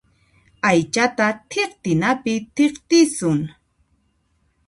Aychata thiqtinapi thiqtisun.